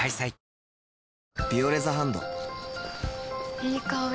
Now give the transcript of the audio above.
いい香り。